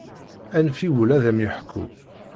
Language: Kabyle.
Anef i wul ad am-yeḥku.